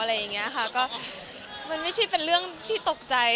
อะไรอย่างนี้ค่ะก็มันไม่ใช่เป็นเรื่องที่ตกใจ